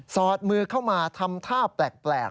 อดมือเข้ามาทำท่าแปลก